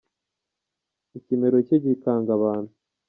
Ikimero cye gikanga abantu.